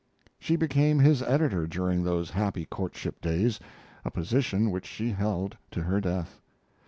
She became his editor during those happy courtship days a position which she held to her death.